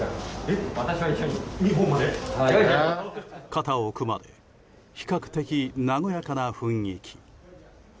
肩を組んで比較的和やかな雰囲気。